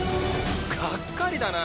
「がっかりだな。